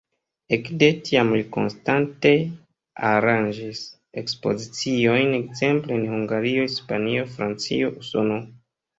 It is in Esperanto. Ekde tiam li konstante aranĝis ekspoziciojn ekzemple en Hungario, Hispanio, Francio, Usono.